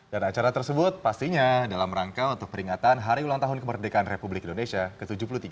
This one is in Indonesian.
acara tersebut pastinya dalam rangka untuk peringatan hari ulang tahun kemerdekaan republik indonesia ke tujuh puluh tiga